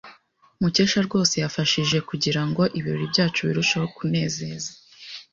Mukesha rwose yafashije kugirango ibirori byacu birusheho kunezeza.